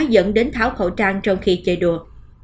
dẫn đến tháo khẩu trang trong khi chơi đùa